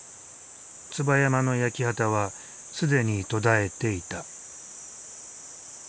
椿山の焼き畑は既に途絶えていた。